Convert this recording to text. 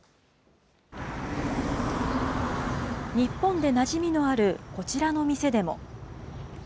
日本でなじみのあるこちらの店でも。